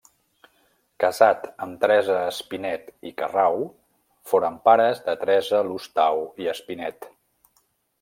Casat amb Teresa Espinet i Carrau foren pares de Teresa Lostau i Espinet.